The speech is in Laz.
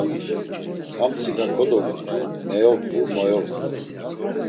Amtsika kodogutu, meyobğu moyobğu.